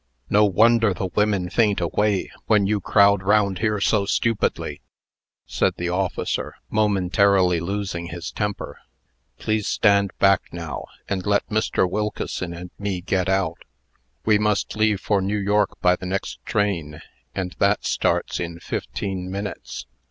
"No wonder the women faint away, when you crowd round here so stupidly," said the officer, momentarily losing his temper. "Please step back, now, and let Mr. Wilkeson and me get out. We must leave for New York by the next train and that starts in fifteen minutes."